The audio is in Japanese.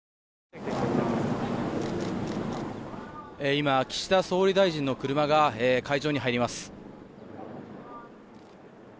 今、岸田総理大臣の車が会場に入ります。